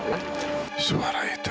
iya suara itu